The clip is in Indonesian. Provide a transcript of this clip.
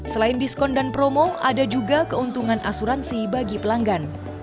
selain diskon dan promo ada juga keuntungan asuransi bagi pelanggan